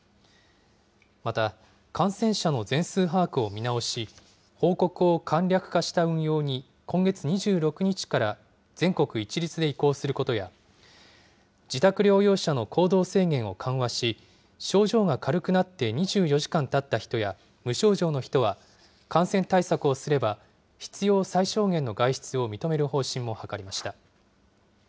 また、感染者の全数把握を見直し、報告を簡略化した運用に、今月２６日から全国一律で移行することや、自宅療養者の行動制限を緩和し、症状が軽くなって２４時間たった人や無症状の人は、感染対策をすれば必要最小限の外出を認める方針も諮りました。